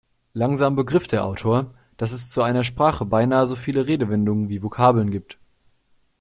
Langsam begriff der Autor, dass es zu einer Sprache beinahe so viele Redewendungen wie Vokabeln gibt.